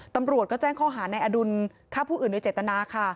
ตำรวจก็แจ้งข้อหาในอดุลฆ่าผู้อื่นโดยเจตนาค่ะ